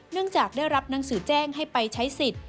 จากได้รับหนังสือแจ้งให้ไปใช้สิทธิ์